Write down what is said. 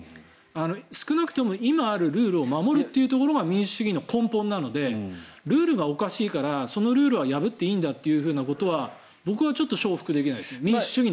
少なくとも今あるルールを守るというところが民主主義の根本なのでルールがおかしいからそのルールは破っていいんだということは僕は承服できないです。